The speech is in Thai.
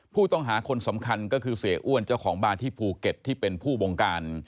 ผู้ต้องหาคนสำคัญก็คือเสียอ้วนเจ้าของบ้านที่ภูเก็ตที่เป็นผู้บงการ